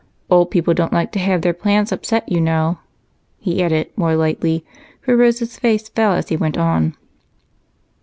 Old people don't like to have their plans upset, you know," he added more lightly, for Rose's face fell as he went on.